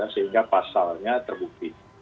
sehingga pasalnya terbukti